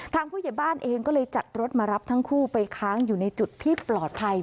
ผู้ใหญ่บ้านเองก็เลยจัดรถมารับทั้งคู่ไปค้างอยู่ในจุดที่ปลอดภัย